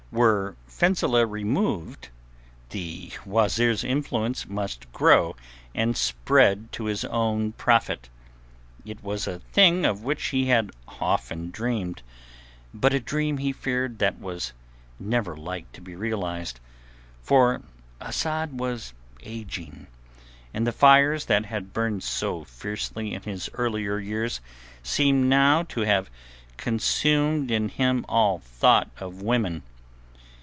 Were Fenzileh removed the wazeer's influence must grow and spread to his own profit. It was a thing of which he had often dreamed, but a dream he feared that was never like to be realized, for Asad was ageing, and the fires that had burned so fiercely in his earlier years seemed now to have consumed in him all thought of women.